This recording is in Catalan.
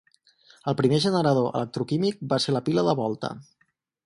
El primer generador electroquímic va ser la pila de Volta.